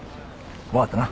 分かったな？